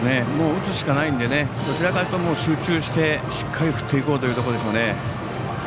打つしかないのでどちらかというと集中してしっかり振っていこうというところでしょうね。